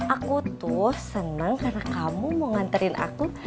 aku tuh senang karena kamu mau nganterin aku